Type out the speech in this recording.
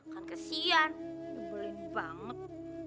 kan kesian nyebelin banget